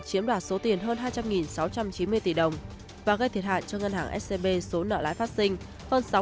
chiếm đoạt số tiền hơn hai trăm linh sáu trăm chín mươi tỷ đồng và gây thiệt hại cho ngân hàng scb số nợ lái phát sinh hơn sáu mươi chín tỷ đồng